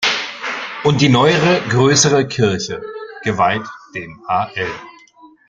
Und die neuere größere Kirche, geweiht dem Hl.